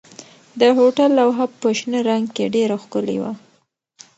د هوټل لوحه په شنه رنګ کې ډېره ښکلې وه.